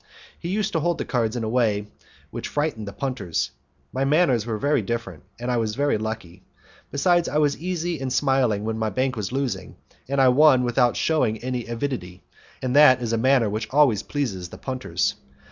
He used to hold the cards in a way which frightened the punters; my manners were very different, and I was very lucky. Besides I was easy and smiling when my bank was losing, and I won without shewing any avidity, and that is a manner which always pleases the punters.